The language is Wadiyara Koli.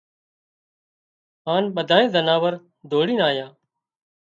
هانَ ٻڌانئي زناور ڌوڙينَ آيان